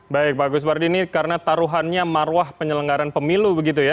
baik pak guswardi ini karena taruhannya marwah penyelenggara pemilu